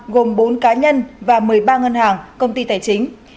gồm bốn cá nhân và một mươi ba ngân hàng công ty tài chính